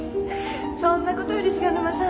そんなことより菅沼さん。